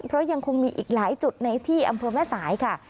เพราะยังคงมีอีกหลายจุดในที่อำเภอแม่สายค่ะ